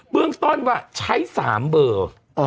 เบื้องต้นว่าใช้๓เบอร์